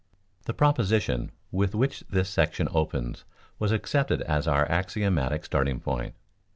The proposition with which this section opens was accepted as our axiomatic starting point.